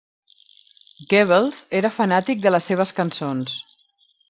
Goebbels era fanàtic de les seves cançons.